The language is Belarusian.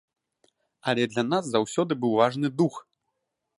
Але для нас заўсёды быў важны дух.